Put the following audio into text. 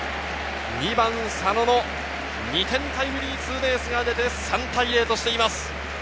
２番・佐野の２点タイムリーツーベースが出て３対０としています。